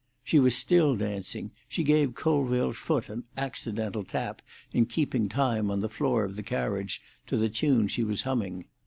She was still dancing; she gave Colville's foot an accidental tap in keeping time on the floor of the carriage to the tune she was humming.